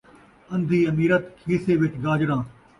اندھی امیرت، کھیسے ءِچ گاجراں